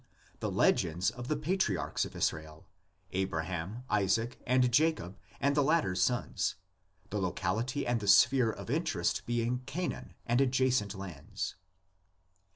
The legends of the patriarchs of Israel: Abra ham, Isaac and Jacob, and the latter' s sons, the locality and the sphere of interest being Canaan and adjacent lands.